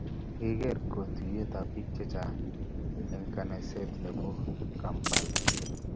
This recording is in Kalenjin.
kikiker kotuiyet ab bik che chang eng kanaset neo nebo Kampala